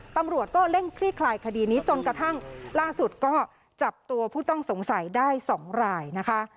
ตำรวจก็เร่งคลี่คลายคดีนี้จนกระทั่งล่าสุดก็จับตัวผู้ต้องสงสัยได้๒รายนะคะ